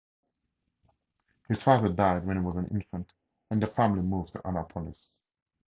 His father died when he was an infant, and the family moved to Annapolis.